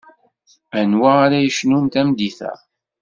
Anwa ara yecnun tameddit-a?